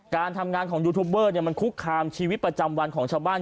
การทำงานของยูทูบเบอร์มันคุกคามชีวิตประจำวันของชาวบ้าน